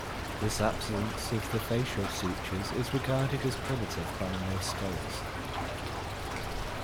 This absence of the facial sutures is regarded as primitive by most scholars.